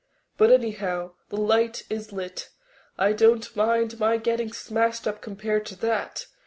But, anyhow, the light is lit. I don't mind my getting smashed up compared to that.